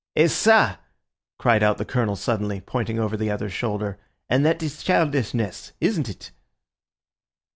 "Et ça," cried out the Colonel suddenly, pointing over the other's shoulder, "and that is childishness, isn't it?"